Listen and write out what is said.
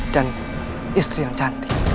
dan istri yang cantik